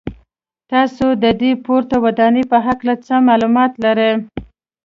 تاسو د دې پورته ودانۍ په هکله څه معلومات لرئ.